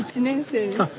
あっ